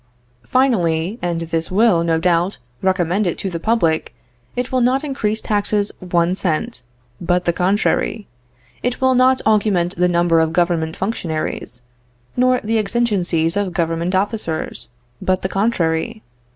Finally, and this will, no doubt, recommend it to the public, it will not increase taxes one cent; but the contrary. It will not augment the number of government functionaries, nor the exigencies of government officers; but the contrary.